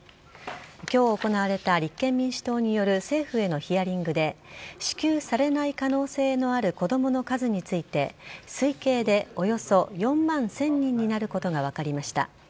今日行われた立憲民主党による政府へのヒアリングで支給されない可能性のある子供の数について推計でおよそ４万１０００人になることが分かりました。